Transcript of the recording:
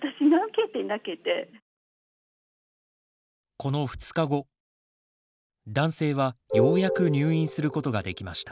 この２日後男性はようやく入院することができました。